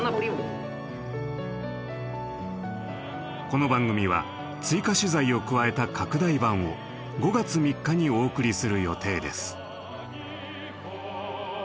この番組は追加取材を加えた拡大版を５月３日にお送りする予定です。